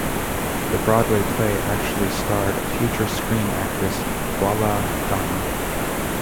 The Broadway play actually starred future screen actress Viola Dana.